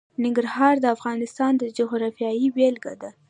ننګرهار د افغانستان د جغرافیې بېلګه ده.